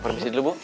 permisi dulu bu